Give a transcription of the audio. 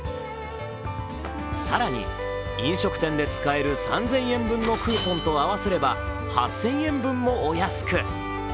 更に飲食店で使える３０００円分のクーポンと合わせれば８０００円分もお安く。